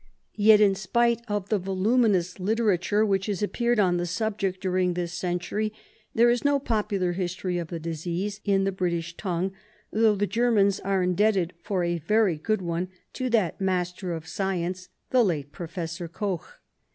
Yet, in spite of the voluminous literature which has appeared on the subject during this century, there is no popular history of the disease in the British tongue, though the Germans are indebted for a very good one to that master of science, the late Professor Koch.